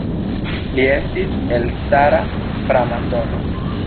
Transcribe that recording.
Li estis elstara framasono.